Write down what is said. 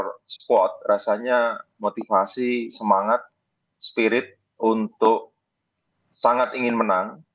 support squad rasanya motivasi semangat spirit untuk sangat ingin menang